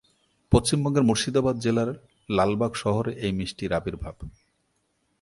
পশ্চিমবঙ্গের মুর্শিদাবাদ জেলার লালবাগ শহরে এই মিষ্টির আবির্ভাব।